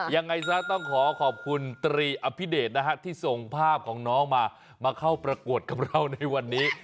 ยังไงซะต้องขอขอบคุณตรีอภิเดชนะฮะที่ส่งภาพของน้องมามาเข้าประกวดกับเราในวันนี้